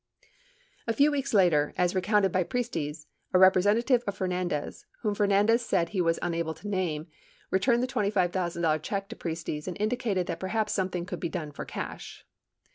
95 A few Weeks later, as recounted by Priestes, a representative of Fernandez — whom Fernandez said he was unable to name — returned the $25,000 check to Priestes and indicated that perhaps something could be done for cash.